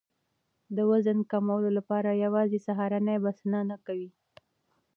د وزن کمولو لپاره یوازې سهارنۍ بسنه نه کوي.